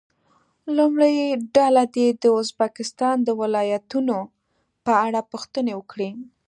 لومړۍ ډله دې د ازبکستان د ولایتونو په اړه پوښتنې وکړي.